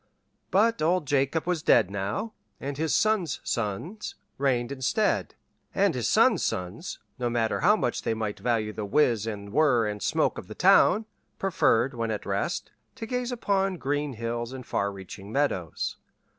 But old Jacob was dead now, and his son's sons reigned instead; and his son's sons, no matter how much they might value the whiz and whir and smoke of the town, preferred, when at rest, to gaze upon green hills and far reaching meadows.